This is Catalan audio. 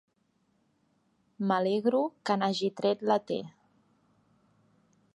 M'alegro que n'hagi tret la "T".